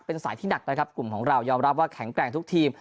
เป็นสายที่หนักนะครับกลุ่มของเรายอมรับว่าแข็งแกร่งทุกทีม